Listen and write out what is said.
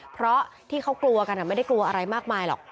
เพราะที่เขากลัวกันไม่ได้กลัวอะไรมากมายหรอก